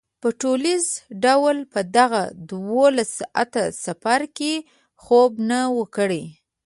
په ټولیز ډول په دغه دولس ساعته سفر کې خوب نه و کړی.